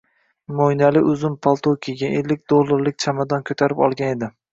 Moʻynali uzun palto kiygan, ellik dollarlik chamadon koʻtarib olgan edi.